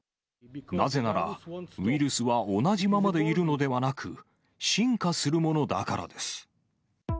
なぜなら、ウイルスは同じままでいるのではなく、進化するものだからです。